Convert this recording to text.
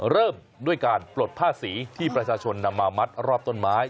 เริ่มด้วยการปลดผ้าสีที่ประชาชนนำมามัดรอบต้นไม้